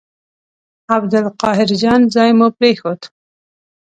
عبدالقاهر جان ځای مو پرېښود.